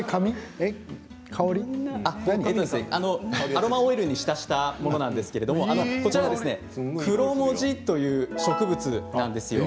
アロマオイルに浸したものなんですけれどこちらがクロモジという植物なんです。